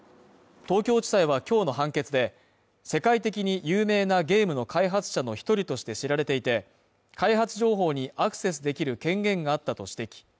東京地裁は今日の判決で、世界的に有名なゲームの開発者の１人として知られていて、開発情報にアクセスできる権限があったと指摘。